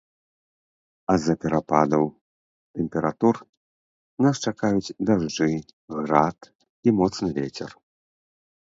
А з-за перападаў тэмператур нас чакаюць дажджы, град і моцны вецер.